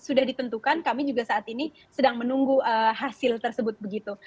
sudah ditentukan kami juga saat ini sedang menunggu hasil tersebut begitu